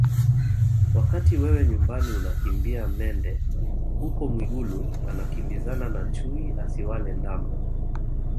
Wakati wewe nyumbani unakimbia mende huko Mwigulu anakimbizana na chui asiwale ndama